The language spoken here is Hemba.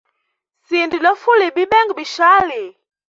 Sinda lyofuliya bibenga bishali.